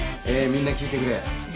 みんな聞いてくれ。